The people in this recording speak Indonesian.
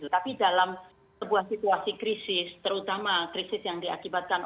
tapi dalam sebuah situasi krisis terutama krisis yang diakibatkan